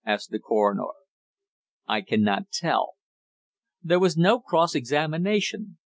asked the coroner. "I cannot tell." There was no cross examination.